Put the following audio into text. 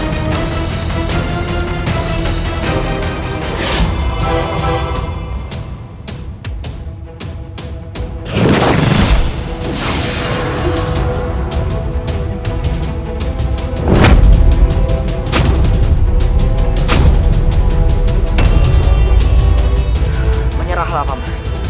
tidak ada yang bisa kandang